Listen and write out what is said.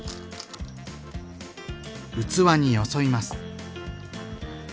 器によそいます。